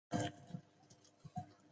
耶尔朱哲和迈尔朱哲出世。